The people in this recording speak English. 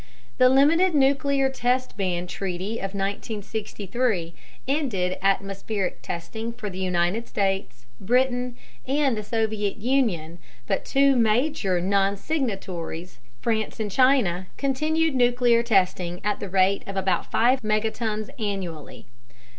The limited nuclear test ban treaty of 1963 ended atmospheric testing for the United States, Britain, and the Soviet Union, but two major non signatories, France and China, continued nuclear testing at the rate of about 5 megatons annually.